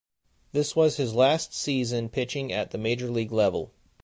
This was his last season pitching at the Major League level.